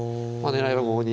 はい。